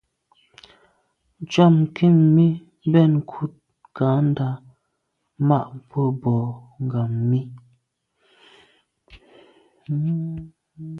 Ntsham nkin mi mbèn nkut kandà ma’ bwe boa ngàm mi.